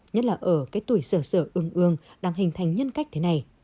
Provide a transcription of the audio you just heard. nhất là ở cái tuổi sở sở ương đang hình thành nhân cách thế này